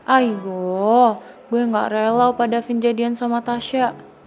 aigo gue gak rela opa davin jadian sama tasya